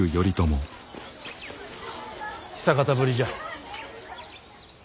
久方ぶりじゃ。